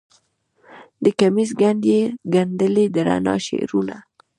د کمیس ګنډ کې یې ګنډلې د رڼا شعرونه